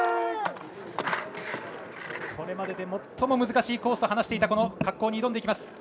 これまでで最も難しいコースと話してた滑降に挑んでいきます。